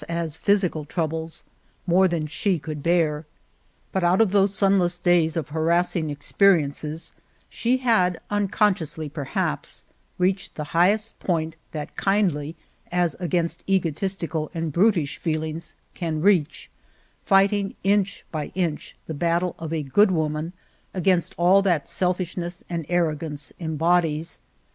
as physical troubles, more than she could bear. But out of those sunless days of harassing experiences she had unconscious ly, perhaps, reached the highest point that kindly as against egotistical and brutish feel ings can reach, fighting inch by inch the battle of a good woman against all that self ishness and arrogance embodies.